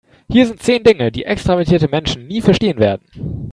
Hier sind zehn Dinge, die extravertierte Menschen nie verstehen werden.